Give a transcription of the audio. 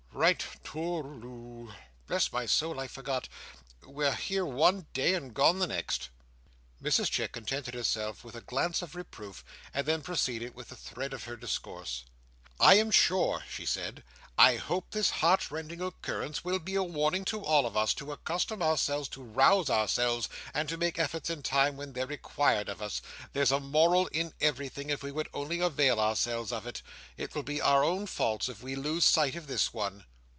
Right tol loor rul! Bless my soul, I forgot! We're here one day and gone the next!" Mrs Chick contented herself with a glance of reproof, and then proceeded with the thread of her discourse. "I am sure," she said, "I hope this heart rending occurrence will be a warning to all of us, to accustom ourselves to rouse ourselves, and to make efforts in time where they're required of us. There's a moral in everything, if we would only avail ourselves of it. It will be our own faults if we lose sight of this one."